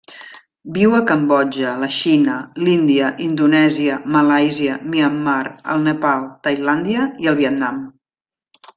Viu a Cambodja, la Xina, l'Índia, Indonèsia, Malàisia, Myanmar, el Nepal, Tailàndia i el Vietnam.